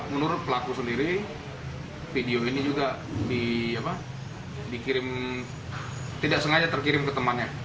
menurut pelaku sendiri video ini juga tidak sengaja terkirim ke temannya